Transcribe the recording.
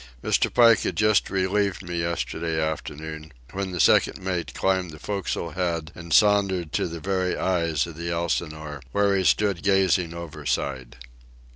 Mr. Pike had just relieved me yesterday afternoon, when the second mate climbed the forecastle head and sauntered to the very eyes of the Elsinore, where he stood gazing overside.